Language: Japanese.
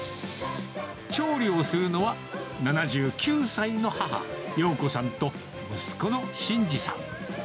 調理をするのは７９歳の母、洋子さんと息子の慎司さん。